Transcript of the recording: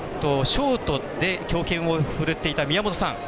ショートで強肩をふるっていた宮本さん。